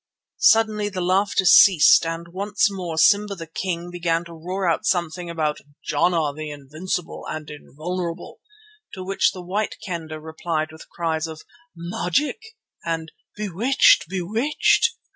Suddenly the laughter ceased and once more Simba the King began to roar out something about "Jana the Invincible and Invulnerable," to which the White Kendah replied with cries of "Magic" and "Bewitched! Bewitched!"